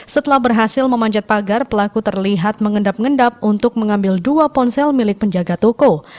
setelah berhasil memanjat pagar pelaku terlihat mengendap endap untuk mengambil dua ponsel milik penjaga toko